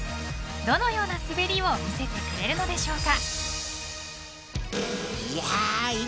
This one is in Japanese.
どのような滑りを見せてくれるのでしょうか。